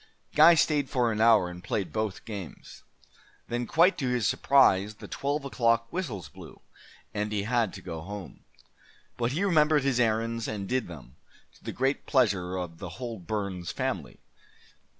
'" Guy stayed for an hour, and played both games. Then, quite to his surprise, the twelve o'clock whistles blew, and he had to go home. But he remembered his errands and did them, to the great pleasure of the whole Burns family.